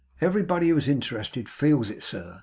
Everybody who is interested feels it, sir.